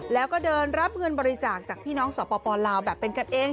แล้วก็เดินรับเงินบริจาคจากพี่น้องสปลาวแบบเป็นกันเอง